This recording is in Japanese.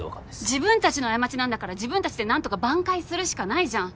自分たちの過ちなんだから自分たちで何とか挽回するしかないじゃん。